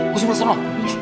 oh sebelah sana